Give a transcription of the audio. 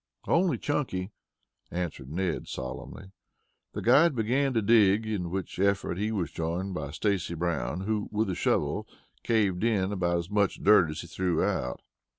"Only Chunky," answered Ned solemnly. The guide began to dig, in which effort he was joined by Stacy Brown, who, with a shovel, caved in about as much dirt as he threw out.